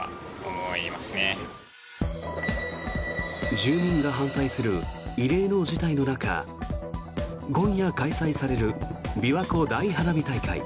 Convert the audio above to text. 住民が反対する異例の事態の中今夜開催されるびわ湖大花火大会。